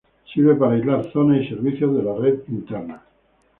Sirve para aislar zonas y servicios de la red interna.